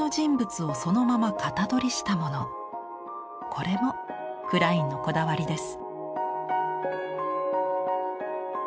これもクラインのこだわりです。